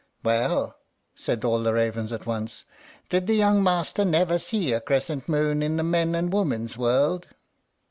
"Well," said all the ravens at once, "did the young master never see a crescent moon in the men and women's world?"